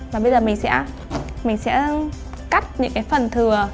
và bây giờ mình sẽ cắt những cái phần thừa